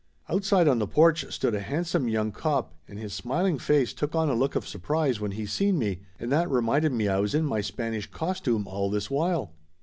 Outside on the porch stood a handsome young cop and his smiling face took on a look of surprise when he seen me and that reminded me I was in my Spanish costume all this while.